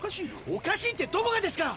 おかしいってどこがですか！